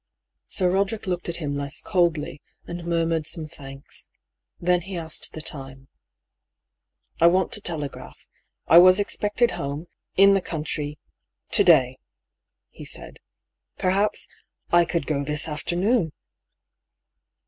Sir Roderick looked at him less coldly, and mur mured some thanks. Then he asked the time. " I want to telegraph. I was expected home — in the country — to day," he said. " Perhaps — I could go this afternoon."